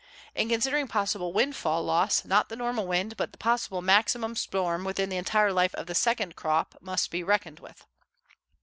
In considering possible windfall loss, not the normal wind but the possible maximum storm within the entire life of the second crop must be reckoned with.